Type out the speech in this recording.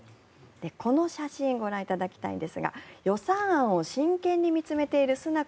この写真ご覧いただきたいんですが予算案を真剣に見つめているスナク